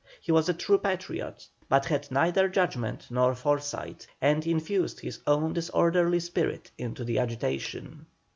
He was a true patriot, but had neither judgment nor foresight, and infused his own disorderly spirit into the agitation.